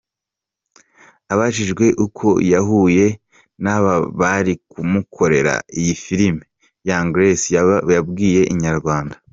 Abajijwe uko yahuye n'aba bari kumukorera iyi filime, Young Grace yabwiye Inyarwanda.